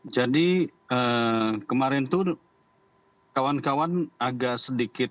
jadi kemarin tuh kawan kawan agak sedikit